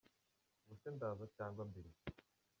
Ubuse ndaza cg mbireke.